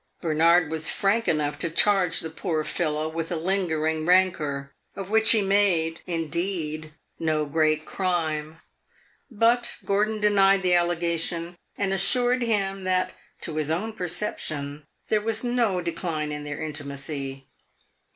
Bernard was frank enough to charge the poor fellow with a lingering rancor, of which he made, indeed, no great crime. But Gordon denied the allegation, and assured him that, to his own perception, there was no decline in their intimacy.